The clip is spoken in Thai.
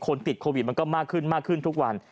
คนติดโควิดมันก็มากขึ้นทุกวัน